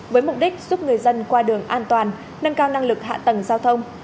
với mục đích giúp người dân qua đường an toàn nâng cao năng lực hạ tầng giao thông